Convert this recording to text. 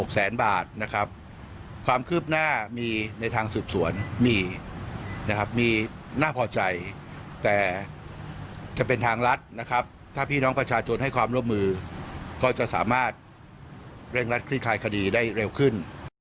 แสนบาทนะครับความคืบหน้ามีในทางสืบสวนมีนะครับมีน่าพอใจแต่จะเป็นทางรัฐนะครับถ้าพี่น้องประชาชนให้ความร่วมมือก็จะสามารถเร่งรัดคลี่คลายคดีได้เร็วขึ้น